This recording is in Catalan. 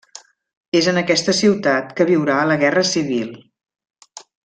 És en aquesta ciutat que viurà la Guerra Civil.